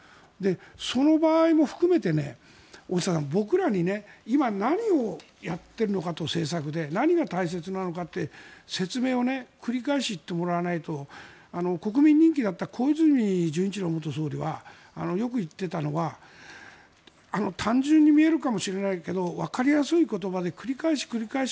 その場合も含めて、大下さん僕らに今何をやっているのかと政策で何が大切なのかって説明を繰り返してもらわないと国民に人気だった小泉純一郎元総理はよく言ってたのが単純に見えるかもしれないけどわかりやすい言葉で繰り返し繰り返し